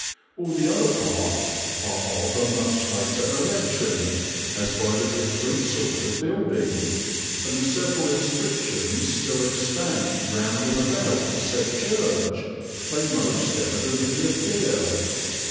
All the other parts are of a much later erection, as by the different sort of building, and the several inscriptions still extant round and about the said Church may most evidently appear....